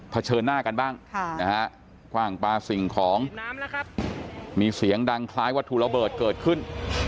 เฉินหน้ากันบ้างคว่างปลาสิ่งของมีเสียงดังคล้ายวัตถุระเบิดเกิดขึ้น